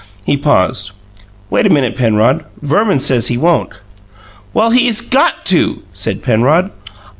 He paused. "Wait a minute, Penrod. Verman says he won't " "Well, he's got to!" said Penrod.